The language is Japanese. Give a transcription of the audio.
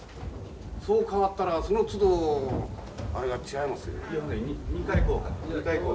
そう変わったらそのつどあれが違いますよ。